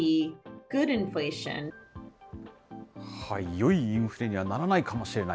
よいインフレにはならないかもしれない。